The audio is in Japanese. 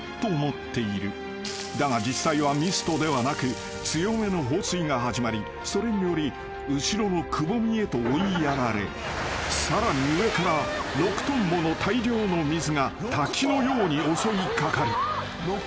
［だが実際はミストではなく強めの放水が始まりそれにより後ろのくぼみへと追いやられさらに上から６ｔもの大量の水が滝のように襲い掛かり］